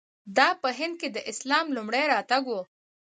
دا په هند کې د اسلام لومړی راتګ و.